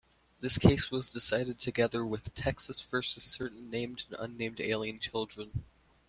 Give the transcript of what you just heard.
This case was decided together with "Texas versus Certain Named and Unnamed Alien Children".